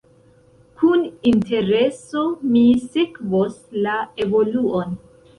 Kun intereso mi sekvos la evoluon.